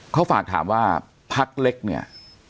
เขาฝากถามว่าพักเล็กเนี่ย